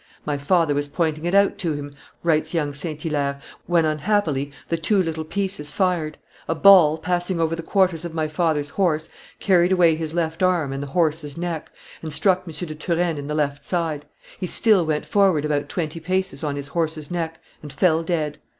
"My father was pointing it out to him, writes young St. Hilaire, "when, unhappily, the two little pieces fired: a ball, passing over the quarters of my father's horse, carried away his left arm and the horse's neck, and struck M. de Turenne in the left side; he still went forward about twenty paces on his horse's neck, and fell dead.